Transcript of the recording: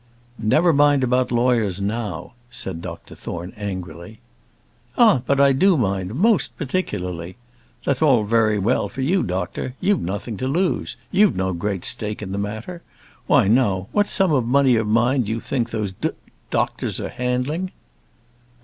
"Never mind about lawyers now," said Dr Thorne, angrily. "Ah, but I do mind; most particularly. That's all very well for you, doctor; you've nothing to lose. You've no great stake in the matter. Why, now, what sum of money of mine do you think those d doctors are handling?"